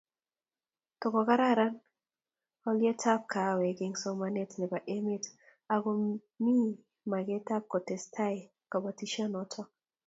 tokokararan olyekab kaawek eng somanet nebo emet ako mi make kotestai kabotisionoto